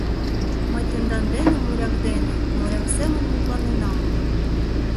Мый тендан дене моряк дене моряк семын мутланенам.